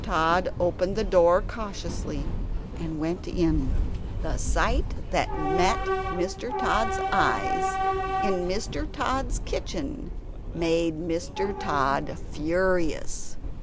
Tod opened the door cautiously and went in. The sight that met Mr. Tod's eyes in Mr. Tod's kitchen made Mr. Tod furious.